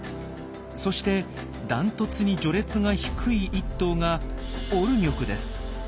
そしてダントツに序列が低い１頭がオルニョクです。